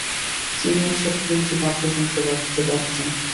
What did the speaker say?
তিনি একসাথে তিনটি বাদ্যযন্ত্র বাজাতে পারতেন।